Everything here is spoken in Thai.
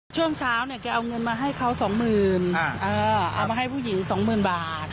ช่วงเช้าเนี่ยแกเอาเงินมาให้เขาสองหมื่นอ่าอ่าเอามาให้ผู้หญิงสองหมื่นบาท